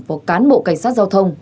vào cán bộ cảnh sát giao thông